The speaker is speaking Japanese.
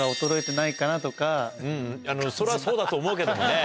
それはそうだと思うけどもね。